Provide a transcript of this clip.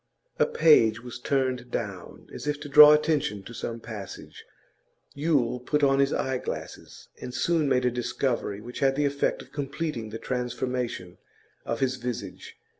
A page was turned down, as if to draw attention to some passage. Yule put on his eyeglasses, and soon made a discovery which had the effect of completing the transformation of his visage.